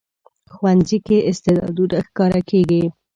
ښوونځی کې استعدادونه ښکاره کېږي